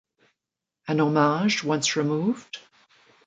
An homage once removed?